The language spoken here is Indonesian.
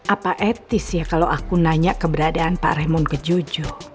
apa etis ya kalau aku nanya keberadaan pak raymond ke jojo